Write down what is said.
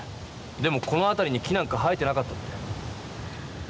でもこのあたりに木なんか生えてなかったって。